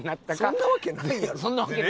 そんなわけないやろ？